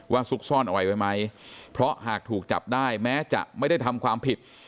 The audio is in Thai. ซุกซ่อนอะไรไว้ไหมเพราะหากถูกจับได้แม้จะไม่ได้ทำความผิด